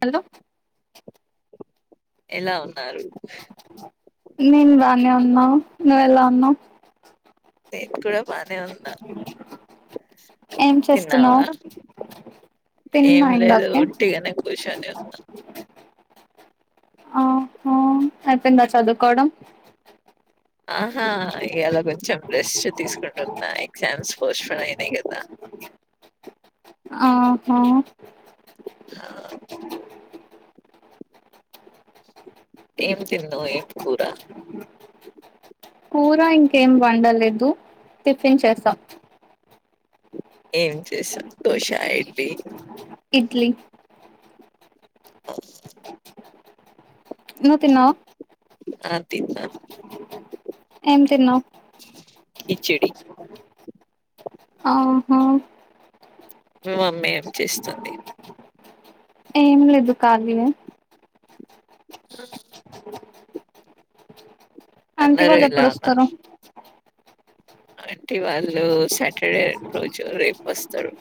Hello ఎలా ఉన్నారు ఏమ్మా నువ్వు ఎలా ఉన్నావు నేను కూడా బానే ఉన్నా ఏం తిన్నావా? చేస్తున్నావ్ ఏం తిన్నా లేదు ఇందాకే ఒట్టిగనే కూర్చొని ఉన్నా. ఆ ఆహ్ అయిపోయిందా చదుకోవడం ఆహా ఇయ్యాలకొచ్చాము రెస్ట్ తీసుకుంటుంన్నా ఎగ్జామ్స్ పోస్ట్ఫోన్ అయినాయి కదా ఆ ఆహా ఆ ఏం తిన్నావ్ ఏం కూరా కూర ఇంకేం వండలేదు టిఫిన్ చేసాం ఏం చేసావు దోస ఇడ్లీ ఇడ్లీ ఓ నువ్ తిన్నావా ఆ తిన్నా ఏం తిన్నావు కిచిడి ఆ ఆహ మీ మమ్మీ ఏం చేస్తుంది ఏం లేదు ఖాళీనే ఆ ఆంటీ అందరూ వాళ్ళు ఎప్పుడోస్తారు అంటే వాళ్ళు సాటర్డే రోజు రేపు వస్తారు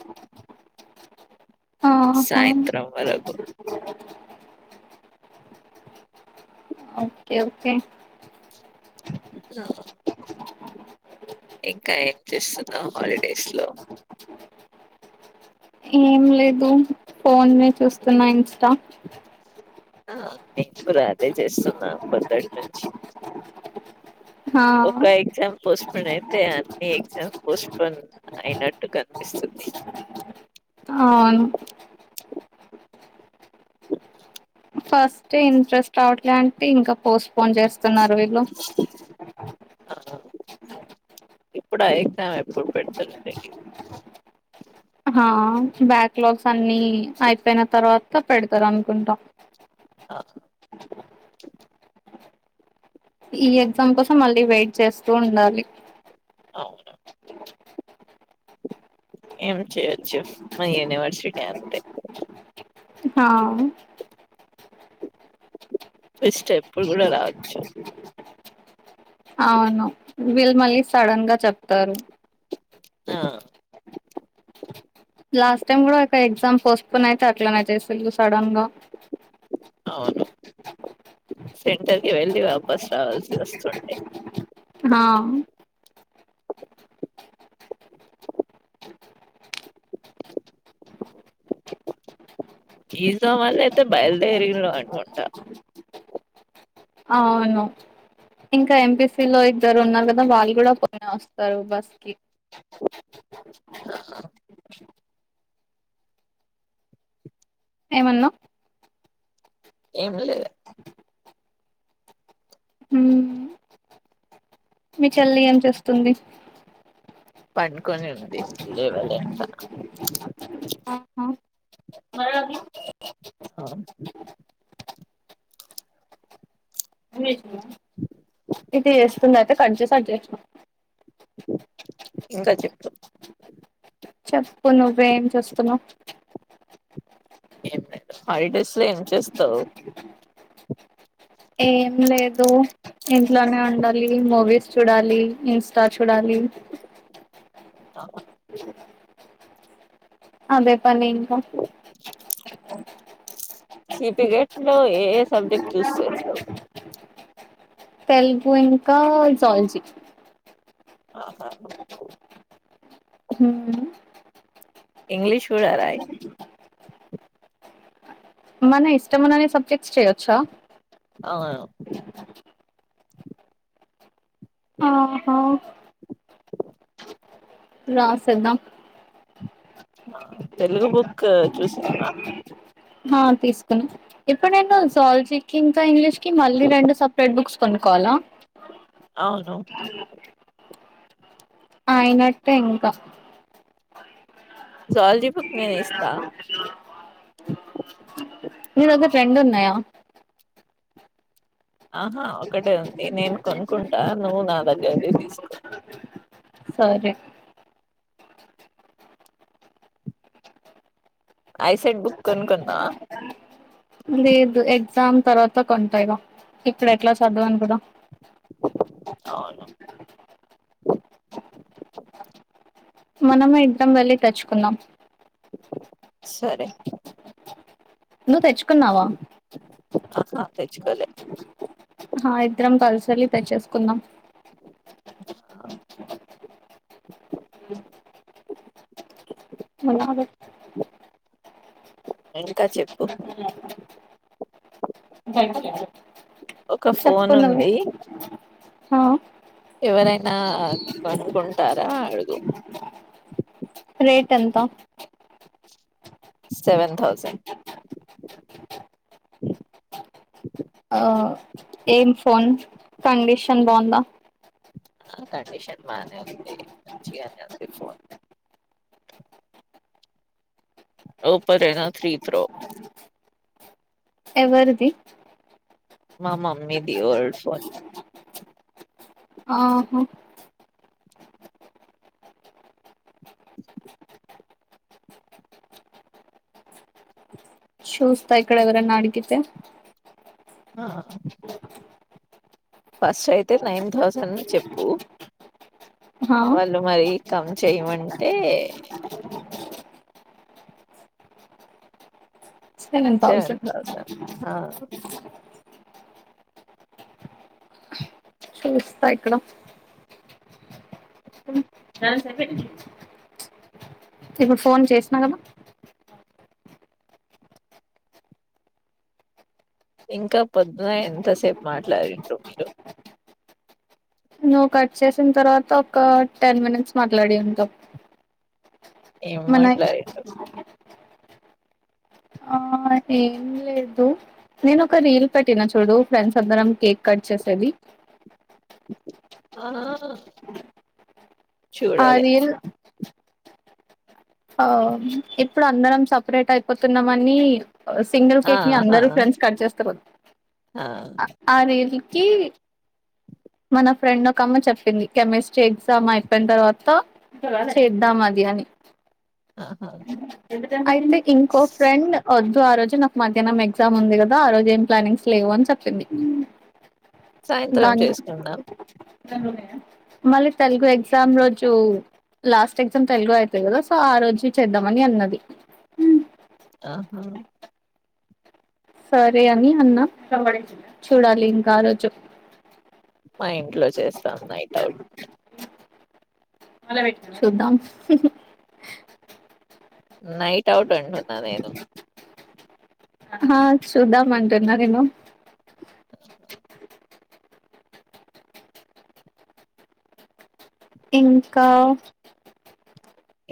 ఆహా సాయంత్రం వరకు ఓకే ఓకే చెప్పినవా ఇంకా ఏం చేస్తున్నావ్ హాలిడేస్ లో ఏం లేదు ఫోన్ ని చూస్తున్న ఇన్స్టా ఆ నేను కూడా అదే చేస్తున్నా పొద్దటి నుంచి ఆ ఒక ఎగ్జాం పోస్ ఇప్పుడైతే అన్ని ఎగ్జామ్ పోస్ట్పోన్ అయినట్టు కనిపిస్తుంది ట్ ఆ అవును ఫస్ట్ ఇంట్రెస్ట్ రావట్లే అంటే ఇంకా పోస్ట్ పోన్ చేస్తున్నారు వీళ్ళు ఆ ఇప్పుడు ఐతే ఆమె ఎప్పుడు పెడతదో తెలీదు హ బ్యాక్ లాగ్స్ అన్నిీ అయిపోయిన తర్వాత పెడతారు అనుకుంటా ఆ ఈ ఎగ్జామ్ కోసం మళ్ళీ వెయిట్ చేస్తూ ఉండాలి అవునా ఏం చేయొచ్చు మా యూనివర్సిటీ అంతే హా ఫెస్ట్ ఎప్పుడు కూడా రావచ్చు అవును వీళ్ళు మళ్ళీ సడన్ గా చెప్తారు ఆ లాస్ట్ టైం కూడా ఒక ఎగ్జామ్ పోస్ట్ ఫోన్ అయితే అట్లనే చేసిల్లు సడన్గా అవును సెంటర్ కి వెళ్ళి వాపస్ రావాల్సి వస్తుండే హా ఈందామా లేపోతే బయలుదేరిలో అనుకుంటా అవును ఇంకా ఎంపీసి లో ఇద్దరు ఉన్నారు కదా వాళ్ళు కూడా పోని వస్తారు బస్ కి ఆ ఏమన్నా ఎం లే మీ చెల్లి ఏం చేస్తుంది పండుకొని ఉంది లేవలే ఇంక ఆహా అ శృతి చేస్తుంది అయితే కడ్ చేసి అట్ చేసినా ఇంకా చెప్పు చెప్పు నువ్వే ఏం చేస్తున్నావ్ ఎం లేదు ఫై డేస్ లో ఏం చేస్తావు ఏం లేదు ఇంట్లోనే ఉండాలి మూవీస్ చూడాలి ఇన్స్ స్టా చుడాలి ఉంటావా అదే పని ఇంకా సి టి గెట్ లో ఏ ఏ సబ్జెక్ట్ చూస్ చేస్తావు తెలుగు ఇంకా జూలజీ ఆహా హుం ఇంగ్లీష్ కూడా రాయి మన ఇష్టం న్నన్ని సబ్జెక్ట్స్ చెయొచ్చా అవును ఆహా రా సేద్ధం తెలుగు బుక్ చూసినవా ఆ తీసుకున్నా ఇప్పుడు నేను జ్వాలాజీకి ఇంకా ఇంగ్లీష్ మళ్ళీ రెండు సపరేట్ బుక్స్ కొనుక్కోవాలా అవును అయినట్టే ఇంకా జ్వాలాజీ బుక్ నేను ఇస్తా హా నీ దగ్గర రెండు ఉన్నాయా ఆహా ఒకటే ఉంది నేను కొనుక్కుంటా నువ్వు నా దగ్గరది తీసుకో సరే ఐసెట్ బుక్ కొనుకునవా లేదు ఎగ్జామ్ తర్వాత కొంటా యిగా ఇప్పుడ ఎట్లా చదవమీ కూద అవును మనము ఇద్దరం వెళ్లి తేచ్చుకొందాం సరే నువ్వు తెచ్చుకున్నావా ఆహా తెచ్చకోలే ఆహా ఇద్దరం కలిసెల్లి తెచ్చేసుకుందాం ఆ! కొనాలి ఇంకా చెప్పు ఒక చెప్ప ఫోన్ నువ్వు ఉంది హ ఎవరైనా కొనుకుంటారా అడుగు రేట్ ఎంత సెవెన్ తౌసెండ్ ఆ ఏం ఫోన్ కండిషన్ బాగుందా ఆ కండిషన్ బానే ఉంది మంచిగానే ఉంది ఫోన్ ఒప్పో ఎనా త్రీ ప్రో ఎవరిది మా మమ్మీది ఓల్డ్ ఫోన్ ఆహ చూస్తా ఇక్కడ ఎవరన్నా అడిగితే ఆ ఫస్ట్ అయితే నైన్ థౌజండ్ చెప్పు ఆ వాళ్ళు మరి కమ్ చేయమంటే సెవెన్ తౌసన్ ఆ చూస్తా ఇక్కడ ఇప్పుడు ఫోన్ చేసినా కదా ఇంకా పొద్దున ఎంతసేపు మాట్లాడింట్రు మీరు నువ్వు కట్ చేసిన తర్వాత ఒక టెన్ మినిట్స్ మాట్లాదిండు ఏం మాట్లాడిండు ఆ ఏం లేదు నేను ఒక రీల్ పెట్టినా చూడు ఫ్రెండ్స్ అందరం కేక్ కట్ చేసేది ఆ అ చూడాలి రీల్ ఆ ఇప్పుడు అందరం సెపరేట్ అయిపోతున్నామ అని సింగిల్ కేక్ ని ఆహా అందరు ఫ్రెండ్స్ కట్ చేస్తరూ ఆ! ఆ రీల్ కి మన ఫ్రెండ్ ఒక అమ్మ చెప్పింది కెమిస్ట్రీ ఎగ్జామ్ అయిపోయిన తర్వాత చేద్దాం అది అని ఆహా అయితే ఇంకో ఫ్రెండ్ వద్దు ఆరోజు అంటే నాకు మధ్యాహ్నం ఎగ్జామ్ ఉంది కదా ఆ రోజు ఏం ప్లానింగ్స్ లేవు అని చెప్పింంది సాయంత్రం చేసుకుందాం మళ్ళీ తెలుగు ఎగ్జామ్ రోజు లాస్ట్ ఎగ్జామ్ తెలుగు అయితుంది కదా సో ఆ రోజు చేద్దామని అన్నది ఆహా సరే అని అన్న చూడాలి ఇంకా ఆ రోజు మా ఇంట్లో చేస్తాం నైట్ అవుట్ మల్ల పెట్టినవా చద్దాం నైట్ అవుట్ అవుట్ అంటున్నా నేను ఆ చూద్దాం అంటున్నా నేను [inaudible] [inaudible] ఇంకా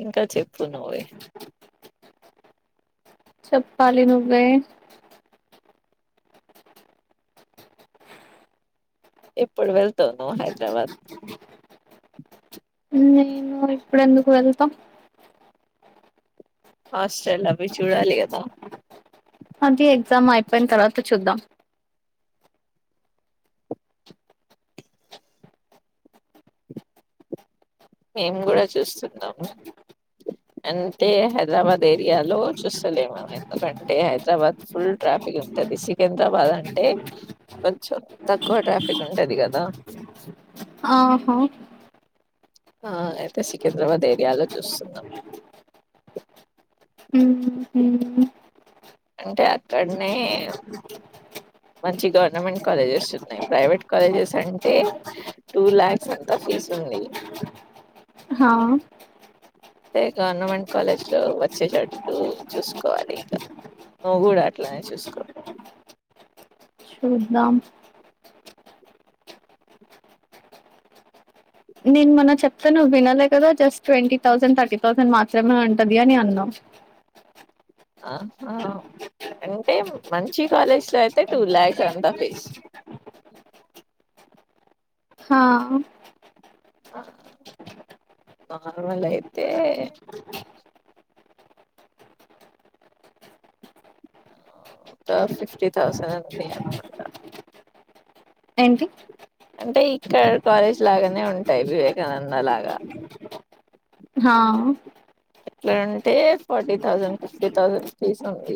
ఇంకా చెప్పు నువ్వే చెప్పాలి నువ్వే ఇప్పుడు వెళ్తావు నువ్వు హైదరాబాద్ నేను ఇప్పుడు ఎందుకు వెళ్లుతా హాస్టల్ అవి చూడాలి కదా అంటే ఈ ఎగ్జామ్ అయిపోయిన తర్వాత చూద్దాం మేము కూడా చూస్తున్నాము అంటే హైదరాబాద్ ఏరియాలో చూస్తలేముం ఎందుకంటే హైదరాబాద్ ఫుల్ ట్రా ఇగ ఉంటది సికింద్రాబాద్ అంటే కొంచెం తక్కువ ట్రాఫిక్ ఉంటది కదా ఆహ ఆ అయితే సికింద్రాబాద్ ఏరియాలో చూస్తున్నా ఉహు అంటే అక్కడనే మంచి గవర్నమెంట్ కాలేజెస్ ఉన్నాయి ప్రైవేట్ కాలేజెస్ అంటే టూ లాక్స్ అంతా ఫీజు ఉంది ఆహా అంటే గవర్నమెంట్ కాలేజ్ లో వచ్చేటట్టు చూసుకోవాలి ఇంక నువ్వు కూడా అట్లానే చూసుకో చూద్దాం నేను మొన్న చెప్తా నువ్వు వినాల కదా just twenty thousand thirty thousand మాత్రమే ఉంటది అని అన్నావు ఆహా అంటే మంచి కాలేజ్ లో అయితే టూ లాయాక్స్ అంట ఫీస్ హా ఆ నార్మల్ అయితే ఒక ఫిఫ్టీ థౌసండ్ అని ఉంది అకుంటా ఏంటి అంటే ఇక్కడ కాలేజ్ లాగానే ఉంటాయి వివేకానంద లాగా [inaudible] ఎట్లాంటే forty thousand fifty thousand fees ఉంది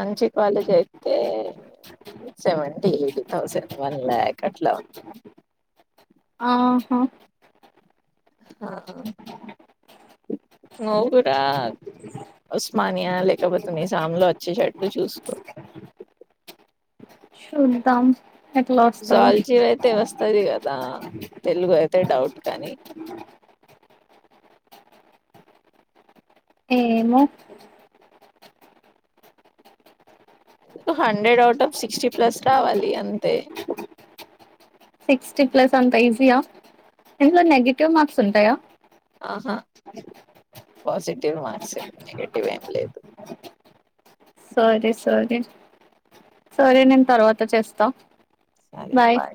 మంచి కాలేజ్ అయితే seventy eighty thousand one lakh అట్లా ఉంది ఆహా హ నువ్వు గూడ రా ఉస్మానియా లేకపోతే నిజాం లో వచ్చే టాటూ చూసుకో ఉద్దాం ఎట్లా వస్తస్తారు సర కదా తెలుగు అయితే డౌట్ కానీ ఏమో hundred out of sixty plus రావాలి అంతే సిక్స్టీ ప్లస్ అంత ఈజీయా ఇందుట్లో నెగటివ్ మార్క్స్ ఉంటాయా ఆహా పాజిటివ్ మార్క్స్ నెగిటివ్ ఏం లేదు సరే సరే సరే నేను తర్వాత చేస్తా సరే బయ్ బాయ్